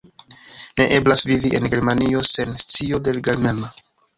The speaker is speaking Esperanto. Ne eblas vivi en Germanio sen scio de la germana!